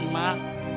sulam juga sedih mak